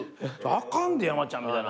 「あかんで山ちゃん」みたいな。